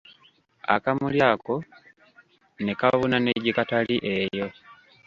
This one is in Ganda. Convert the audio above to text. Akamuli ako ne kabuna ne gye katali eyo.